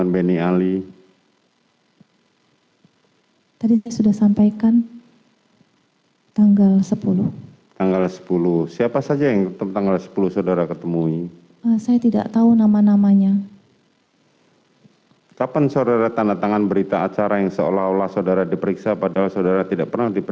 bukan yang mulia